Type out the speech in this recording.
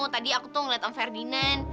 tadi aku tuh ngeliat on ferdinand